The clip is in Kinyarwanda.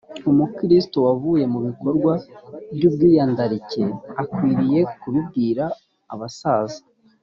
umukristo waguye mu bikorwa by ubwiyandarike akwiriye kubibwira abasaza